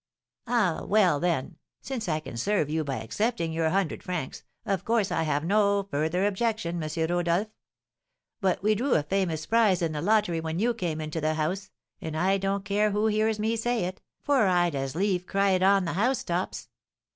"Ah, well, then, since I can serve you by accepting your hundred francs, of course I have no further objection, M. Rodolph; but we drew a famous prize in the lottery when you came into the house, and I don't care who hears me say it, for I'd as lief cry it on the housetops.